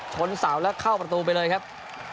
ชนเสาแล้วเข้าประตูไปเลยครับ